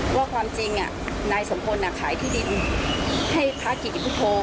ว่าความจริงอะท่านสมคนน่ะขายที่จิตุให้พระอธิพิทธิพฒโภ